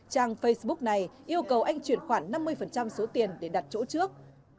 trang facebook này yêu cầu anh chuyển khoản năm mươi số tiền để đặt chỗ trước